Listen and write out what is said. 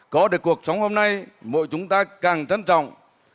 có được cuộc sống hôm nay mỗi chúng ta càng trân trọng